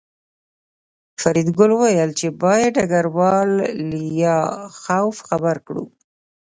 فریدګل وویل چې باید ډګروال لیاخوف خبر کړو